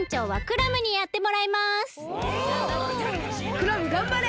クラムがんばれ！